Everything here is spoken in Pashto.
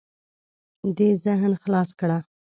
دې ذهن خلاص کړه.